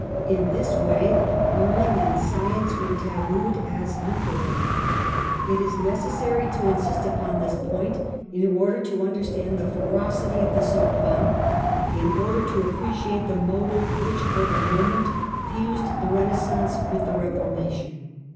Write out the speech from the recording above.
In this way learning and science were tabooed as Lutheran. It is necessary to insist upon this 138 MARGARET OF ANGOULEME. point in order to understand the ferocity of the Sorbonne ; in order to appreciate the motive which, for the moment, fused the Renaissance with the Reformation.